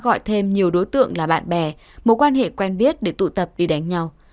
gọi thêm nhiều đối tượng là bạn bè mối quan hệ quen biết để tụ tập đi đánh nhau